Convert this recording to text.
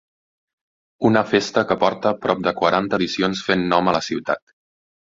Una festa que porta prop de quaranta edicions fent nom a la ciutat.